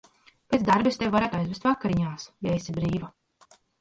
Pēc darba es tevi varētu aizvest vakariņās, ja esi brīva.